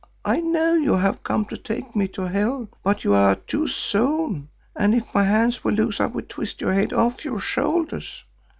I know you have come to take me to hell, but you are too soon, and if my hands were loose I would twist your head off your shoulders.